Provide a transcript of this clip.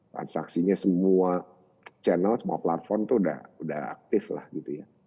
transaksinya semua channel semua platform tuh udah aktif lah gitu ya